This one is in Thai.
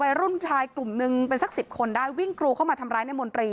วัยรุ่นชายกลุ่มหนึ่งเป็นสักสิบคนได้วิ่งกรูเข้ามาทำร้ายในมนตรี